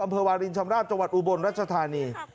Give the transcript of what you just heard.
วารินชำราบจังหวัดอุบลรัชธานี